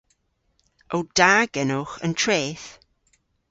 O da genowgh an treth?